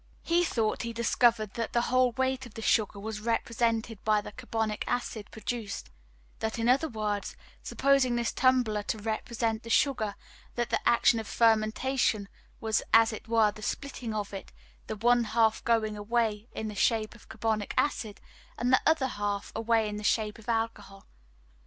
He thought he discovered that the whole weight of the sugar was represented by the carbonic acid produced; that in other words, supposing this tumbler to represent the sugar, that the action of fermentation was as it were the splitting of it, the one half going away in the shape of carbonic acid, and the other half going away in the shape of alcohol.